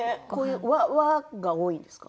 和が多いんですか？